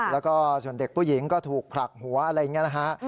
แล้วก็ส่วนเด็กผู้หญิงก็ถูกผลักหัวอะไรอย่างนี้นะฮะ